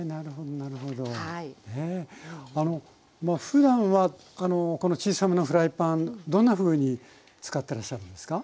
ふだんはこの小さめのフライパンどんなふうに使ってらっしゃるんですか？